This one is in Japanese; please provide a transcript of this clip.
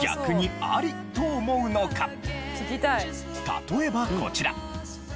例えばこちら。